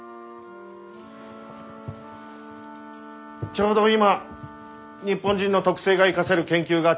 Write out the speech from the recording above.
ちょうど今日本人の特性が生かせる研究が注目を浴びている。